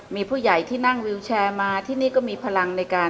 มีผู้ใหญ่ที่นั่งวิวแชร์มาที่นี่ก็มีพลังในการ